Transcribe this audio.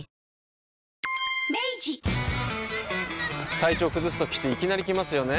体調崩すときっていきなり来ますよね。